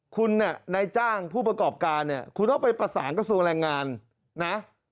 คุณนายจ้างผู้ประกอบการเนี่ยคุณต้องไปประสานกระทรวงแรงงานนะ